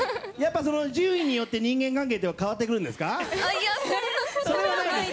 順位によって、人間関係は変わってくるんですか。